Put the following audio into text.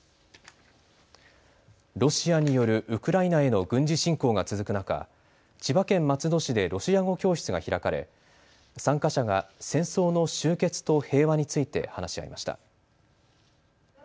ロシアによるウクライナへの軍事侵攻が続く中、千葉県松戸市でロシア語教室が開かれ、参加者が戦争の終結と平和について話し合いました。